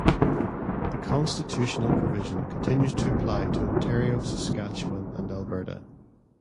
The constitutional provision continues to apply to Ontario, Saskatchewan and Alberta.